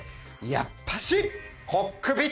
やっぱし。